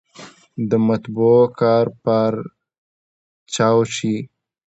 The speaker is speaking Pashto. د مطبعو کار پارچاو شي.